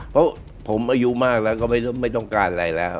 เพราะผมอายุมากแล้วก็ไม่ต้องการอะไรแล้ว